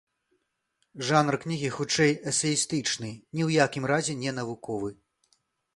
Жанр кнігі хутчэй эсэістычны, ні ў якім разе не навуковы.